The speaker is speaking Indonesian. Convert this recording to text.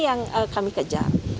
yang kami kejar